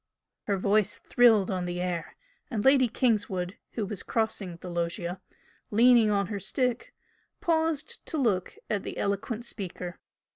Her voice thrilled on the air, and Lady Kingswood, who was crossing the loggia, leaning on her stick, paused to look at the eloquent speaker.